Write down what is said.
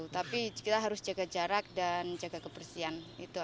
tapi kita harus menjaga jarak dan kebersihan